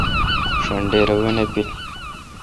ݭن ڈیر وائ نہ پیل۔